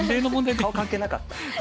顔関係なかった。